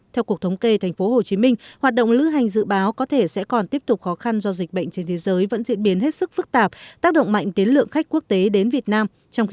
theo cục thống kê tp hcm hoạt động lữ hành dự báo có thể sẽ còn tiếp tục khó khăn do dịch bệnh trên thế giới vẫn diễn biến hết sức phức tạp tác động mạnh đến lượng khách quốc tế đến việt nam